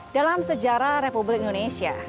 dalam sejarah republik indonesia